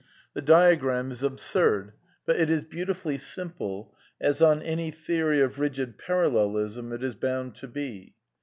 The diagram is absurd; but it is beautifully simple, as on any theory of rigid Parallelism it is bound to be.